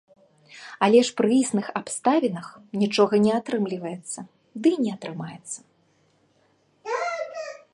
Але ж пры існых абставінах нічога не атрымліваецца, дый не атрымаецца.